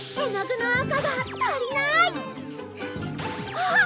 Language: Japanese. あっ！